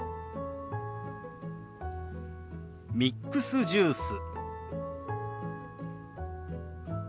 「ミックスジュース」。